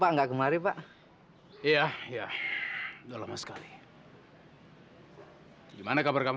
ngerti ya tung